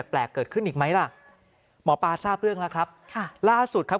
แปลกเกิดขึ้นอีกไหมล่ะหมอปลาทราบเรื่องแล้วครับค่ะล่าสุดครับ